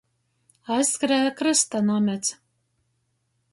Aizskrēja krysta namets.